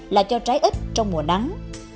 là cho trái ít trong mùa nắng